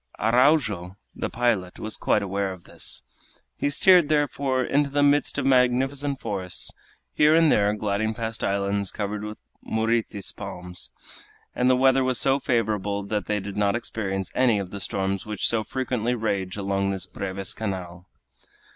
Araujo, the pilot, was quite aware of this. He steered, therefore, into the midst of magnificent forests, here and there gliding past island covered with muritis palms; and the weather was so favorable that they did not experience any of the storms which so frequently rage along this Breves Canal.